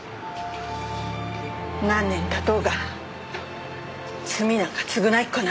何年経とうが罪なんか償えっこないよ。